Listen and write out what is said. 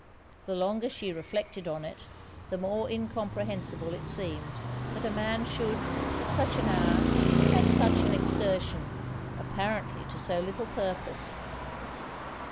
The longer she reflected on it, the more incomprehensible it seemed, that a man should, at such an hour, make such an excursion, apparently to so little purpose.